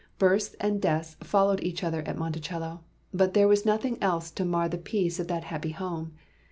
Births and deaths followed each other at Monticello, but there was nothing else to mar the peace of that happy home.